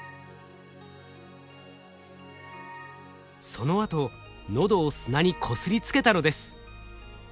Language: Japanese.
そのあと喉を砂にこすりつけたのです。